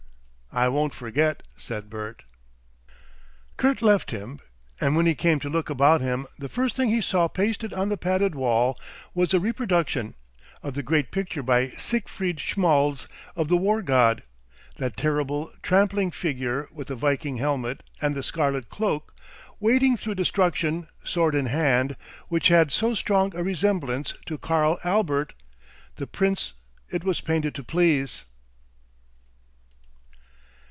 "I won't forget," said Bert. Kurt left him, and when he came to look about him the first thing he saw pasted on the padded wall was a reproduction, of the great picture by Siegfried Schmalz of the War God, that terrible, trampling figure with the viking helmet and the scarlet cloak, wading through destruction, sword in hand, which had so strong a resemblance to Karl Albert, the prince it was painted to please.